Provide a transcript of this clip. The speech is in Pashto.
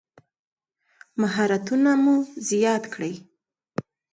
مهارتونه مو زیات کړئ